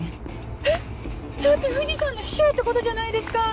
えっそれって藤さんの師匠ってことじゃないですか！